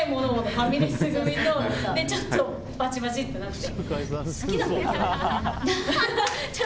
ファミレス組とちょっとバチバチってなって。